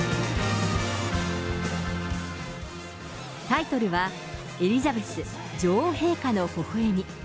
タイトルは、エリザベス女王陛下の微笑み。